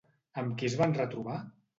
Amb qui es van retrobar?